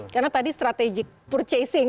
karena tadi strategic purchasing